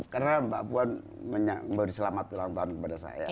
karena mbak puan memberi selamat ulang tahun kepada saya